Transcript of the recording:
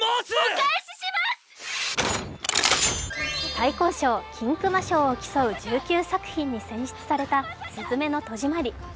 最高賞金熊賞を競う１９作品に選出された「すずめの戸締まり」